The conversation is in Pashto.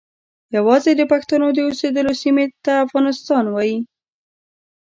یوازې د پښتنو د اوسیدلو سیمې ته افغانستان وایي.